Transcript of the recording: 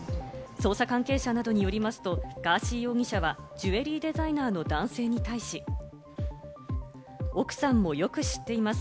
捜査関係者などによりますと、ガーシー容疑者はジュエリーデザイナーの男性に対し、奥さんもよく知っています。